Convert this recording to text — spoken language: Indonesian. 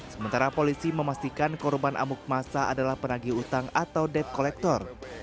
sementara polisi memastikan korban amuk masa adalah penagih utang atau debt collector